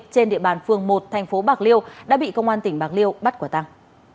trên địa bàn phường một thành phố bạc liêu đã bị công an tỉnh bạc liêu bắt quả tăng